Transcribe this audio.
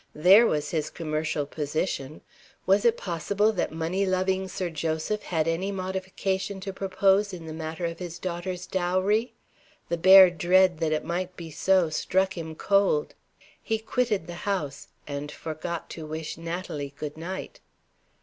There was his commercial position! Was it possible that money loving Sir Joseph had any modification to propose in the matter of his daughter's dowry? The bare dread that it might be so struck him cold. He quitted the house and forgot to wish Natalie goodnight.